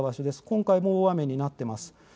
今回も大雨になってます。